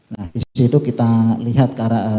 nah di situ kita lihat